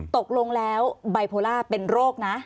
ตกลงแล้วไบโพล่าเป็นโรคนะ